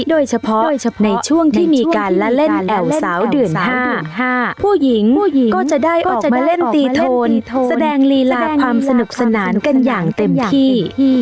โดยเฉพาะในช่วงที่มีการละเล่นแอวสาวเดือน๕๕ผู้หญิงผู้หญิงก็จะได้ก็จะมาเล่นตีทนแสดงลีลาความสนุกสนานกันอย่างเต็มที่